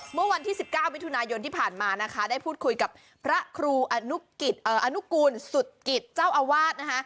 เมื่อวันที่๑๙มิถุนายนที่ผ่านมานะคะได้พูดคุยกับพระครูอนุกูลสุดกิจเจ้าอาวาสนะคะ